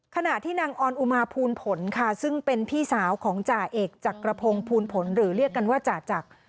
ขณะที่นางออนอุมาภูลผลค่ะซึ่งเป็นพี่สาวของจ่าเอกจักรพงศ์ภูลผลหรือเรียกกันว่าจ่าจักร